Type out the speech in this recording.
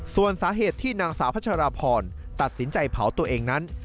ส่วนสาเหตุที่นางสาวพัชราพรตัดสินใจเผาตัวเองนั้น